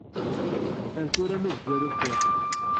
Ar tura mazal ufiɣ.